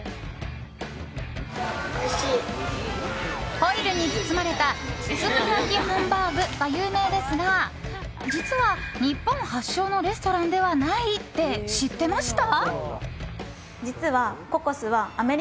ホイルに包まれた包み焼きハンバーグが有名ですが実は日本発祥のレストランではないって知ってました？